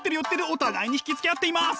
お互いに惹きつけ合っています！